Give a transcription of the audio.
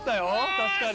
確かに。